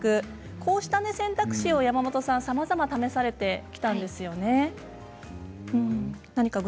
こうした選択肢をさまざまに試されてきたんですよね。